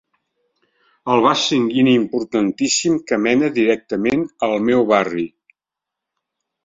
El vas sanguini importantíssim que mena directament al meu barri.